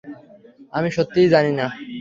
আমি সত্যিই জানি না।